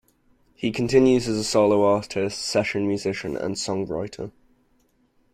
He continues as a solo artist, session musician and songwriter.